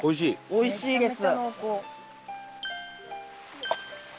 おいしいです。